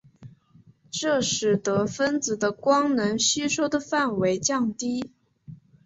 这使得分子的光能吸收的范围降低。